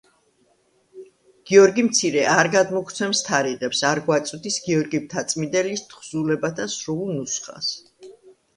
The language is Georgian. გიორგი მცირე არ გადმოგვცემს თარიღებს, არ გვაწვდის გიორგი მთაწმინდელის თხზულებათა სრულ ნუსხას.